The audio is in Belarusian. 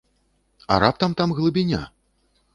А раптам там глыбіня?